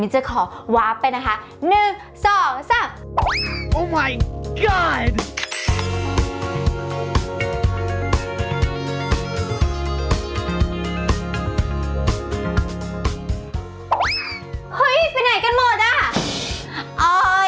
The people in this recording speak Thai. ไปไหนกันวอร์ดอ่ะ